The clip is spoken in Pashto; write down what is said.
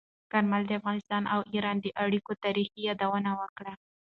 کارمل د افغانستان او ایران د اړیکو تاریخي یادونه وکړه.